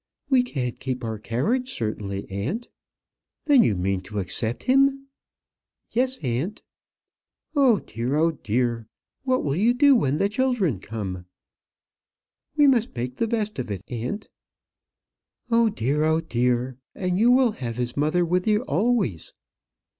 "We can't keep our carriage, certainly, aunt." "Then you mean to accept him?" "Yes, aunt." "Oh, dear! oh, dear! What will you do when the children come?" "We must make the best of it, aunt." "Oh, dear! oh, dear! And you will have his mother with you always."